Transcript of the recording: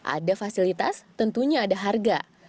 ada fasilitas tentunya ada harga